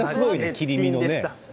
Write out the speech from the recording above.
切り身のね。